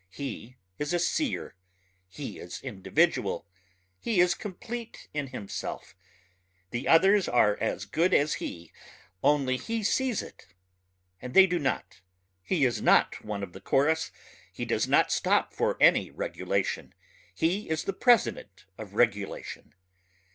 He is a seer ... he is individual ... he is complete in himself ... the others are as good as he, only he sees it and they do not. He is not one of the chorus ... he does not stop for any regulation ... he is the president of regulation.